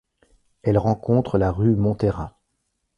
Elle rencontre la rue Montéra.